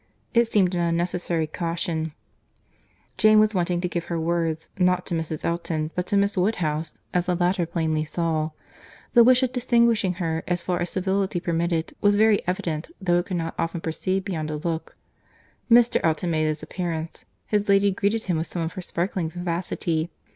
It seemed an unnecessary caution; Jane was wanting to give her words, not to Mrs. Elton, but to Miss Woodhouse, as the latter plainly saw. The wish of distinguishing her, as far as civility permitted, was very evident, though it could not often proceed beyond a look. Mr. Elton made his appearance. His lady greeted him with some of her sparkling vivacity.